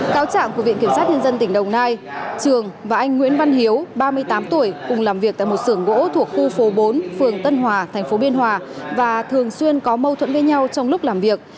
cáo trạng của viện kiểm sát nhân dân tỉnh đồng nai trường và anh nguyễn văn hiếu ba mươi tám tuổi cùng làm việc tại một sưởng gỗ thuộc khu phố bốn phường tân hòa tp biên hòa và thường xuyên có mâu thuẫn với nhau trong lúc làm việc